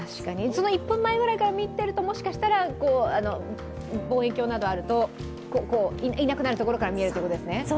その１分前ぐらいから見ているともしかしたら望遠鏡などあるといなくなるところから見えるということですね。